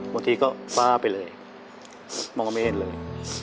บางทีก็ฟ้าไปเลยมองไม่เห็นเลย